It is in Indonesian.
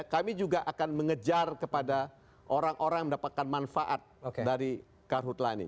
kami juga akan mengejar kepada orang orang yang mendapatkan manfaat dari karhutlah ini